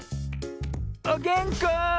おげんこ！